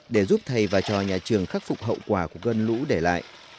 để giúp thầy và cho nhà trường khắc phục hậu quả của cơn lũ để lại